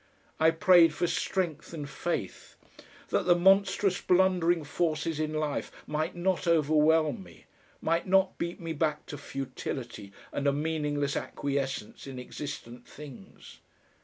I prayed for strength and faith, that the monstrous blundering forces in life might not overwhelm me, might not beat me back to futility and a meaningless acquiescence in existent things.